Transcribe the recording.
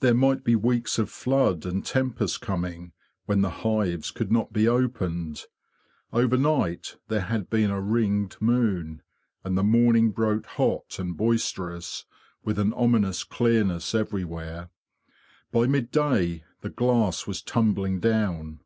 There might be weeks of flood and tempest coming, when the hives could not be opened. Overnight there had been a ringed moon, and the morning broke hot and boisterous, with an ominous clearness everywhere. By midday the glass was tumbling down.